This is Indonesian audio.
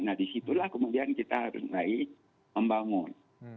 nah di situlah kemudian kita harus mulai membangun